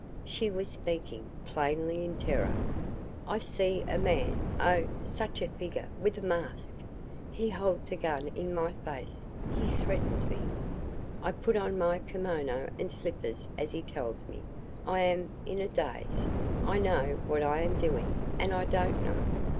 She was speaking, plainly in terror. "I see a man oh, such a figure with a mask. He holds a gun in my face he threatens me. I put on my kimono and slippers, as he tells me. I am in a daze. I know what I am doing and I don't know.